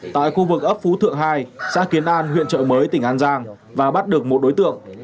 tại khu vực ấp phú thượng hai xã kiến an huyện trợ mới tỉnh an giang và bắt được một đối tượng